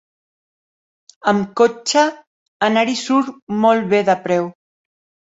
Amb cotxe, anar-hi surt molt bé de preu.